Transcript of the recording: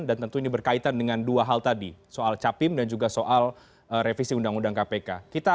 dan tentu ini berkaitan dengan dua hal tadi soal capim dan juga soal revisi undang undang kpk